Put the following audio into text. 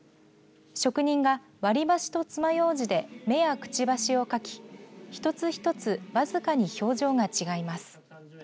職人が割り箸とつまようじで目やくちばしを書き一つ一つ僅かに表情が違います。